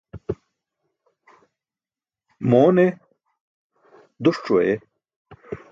Moon e?, duṣc̣o ayeh.